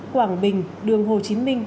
quảng bình đường hồ chí minh